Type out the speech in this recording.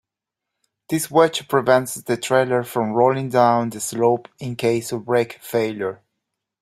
This wedge prevents the trailer from rolling down the slope in case of brake failure.